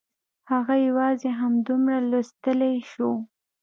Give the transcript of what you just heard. هغه یوازې همدومره لوستلی شو